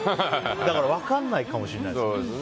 だから分かんないかもしれない。